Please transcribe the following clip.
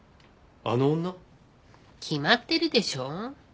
あの女？決まってるでしょ。